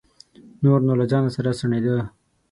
نور نو له ځانه سره سڼېده.